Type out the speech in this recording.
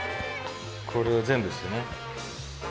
これを全部っすね。